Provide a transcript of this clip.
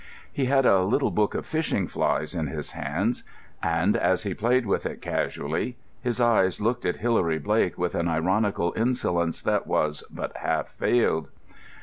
He had a little book of fishing flies in his hands, and as he played with it casually his eyes looked at Hilary Blake with an ironical insolence that was but half veiled.